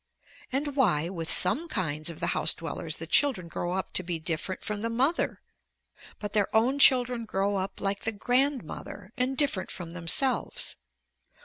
And why with some kinds of the house dwellers the children grow up to be different from the mother, but their own children grow up like the grandmother, and different from themselves.